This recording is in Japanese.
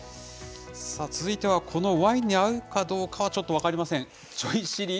続いてはこのワインに合うかどうかはちょっと分かりません、ちょい知り！